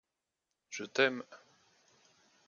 Je t'aime.